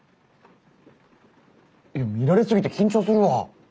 見られすぎて緊張するわ。